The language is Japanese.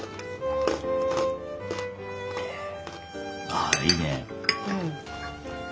あいいね。